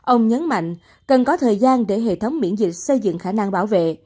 ông nhấn mạnh cần có thời gian để hệ thống miễn dịch xây dựng khả năng bảo vệ